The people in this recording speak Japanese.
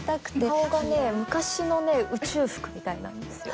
顔がね昔のね宇宙服みたいなんですよ。